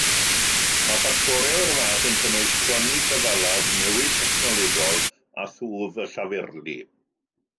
Mae ffactorau o'r fath yn cynnwys cronni cyfalaf, newid technolegol a thwf y llafurlu.